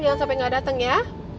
jangan sampai gak dateng ya